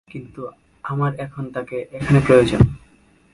কিন্তু আমার এখন তাকে এখানে প্রয়োজন!